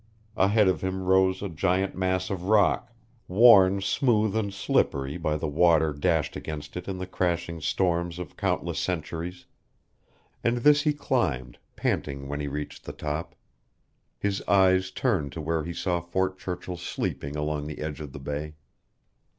Ahead of him rose a giant mass of rock, worn smooth and slippery by the water dashed against it in the crashing storms of countless centuries, and this he climbed, panting when he reached the top. His eyes turned to where he saw Fort Churchill sleeping along the edge of the Bay.